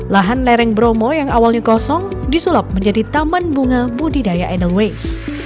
lahan lereng bromo yang awalnya kosong disulap menjadi taman bunga budidaya edelweiss